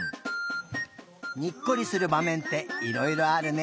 にっこりするばめんっていろいろあるね。